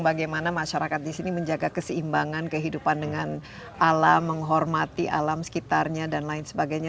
bagaimana masyarakat di sini menjaga keseimbangan kehidupan dengan alam menghormati alam sekitarnya dan lain sebagainya